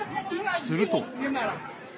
すると。